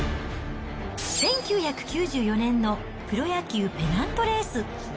１９９４年のプロ野球ペナントレース。